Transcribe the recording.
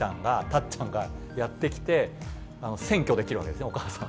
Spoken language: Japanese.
っちゃんがやって来て占拠できるわけですねお母さんを。